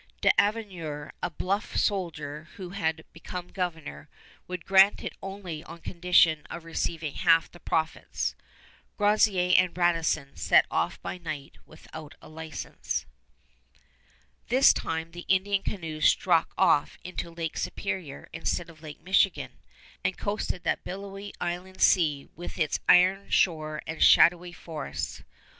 D'Avaugour, a bluff soldier who had become governor, would grant it only on condition of receiving half the profits. Groseillers and Radisson set off by night without a license. [Illustration: TITLE PAGE JESUIT RELATION OF 1662 1663] This time the Indian canoes struck off into Lake Superior instead of Lake Michigan, and coasted that billowy inland sea with its iron shore and shadowy forests.